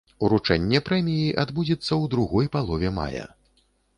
Уручэнне прэміі адбудзецца ў другой палове мая.